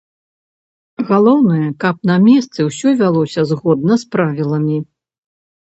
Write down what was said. Галоўнае, каб на месцы ўсё вялося згодна з правіламі.